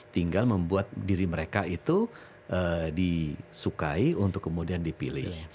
tinggal membuat diri mereka itu disukai untuk kemudian dipilih